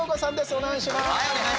お願いします。